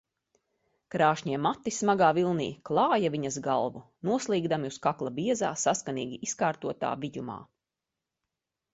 Krāšņie mati smagā vilnī klāja viņas galvu, noslīgdami uz kakla biezā, saskanīgi izkārtotā vijumā.